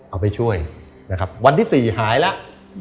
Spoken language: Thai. เอาไปช่วยวันที่๔หายแล้ว